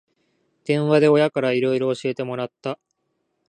電話で親からいろいろ教えてもらった